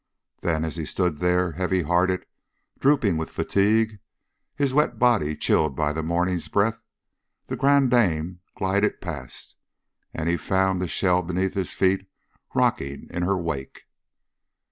Then, as he stood there, heavy hearted, drooping with fatigue, his wet body chilled by the morning's breath, The Grande Dame glided past, and he found the shell beneath his feet rocking in her wake.